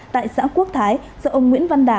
tại xã quốc thái do ông nguyễn văn đà